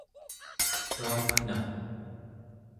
tuatna!